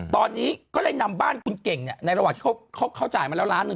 ตอนนี้ก็ได้นำบ้านคุณเก่งในระหว่างที่เขาจ่ายมาแล้วล้านหนึ่ง